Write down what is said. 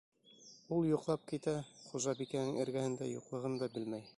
Ул йоҡлап китә, хужабикәнең эргәһендә юҡлығын да белмәй.